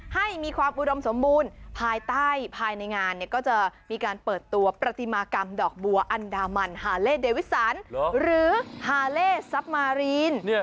ให้มีความอุดมสมบูรณ์ภายใต้ภายในงานก็จะมีการเปิดตัวประติมากรรมดอกบัวอันดามันฮาเล่เดวิสันหรือฮาเล่ซับมารีน